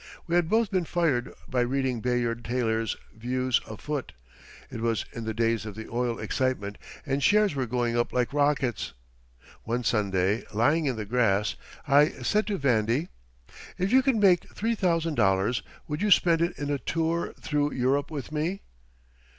We had both been fired by reading Bayard Taylor's "Views Afoot." It was in the days of the oil excitement and shares were going up like rockets. One Sunday, lying in the grass, I said to "Vandy": "If you could make three thousand dollars would you spend it in a tour through Europe with me?"